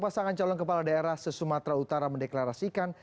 dua puluh satu pasangan calon kepala daerah sesumatra utara mendeklarasikan